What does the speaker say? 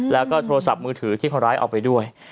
แล้วก็โทรศัพท์มือถือที่คนร้ายเอาไปด้วย